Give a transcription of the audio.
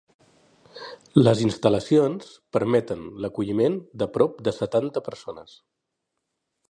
Les instal·lacions permeten l'acolliment de prop de setanta persones.